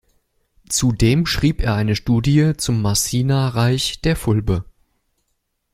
Zudem schrieb er eine Studie zum Massina-Reich der Fulbe.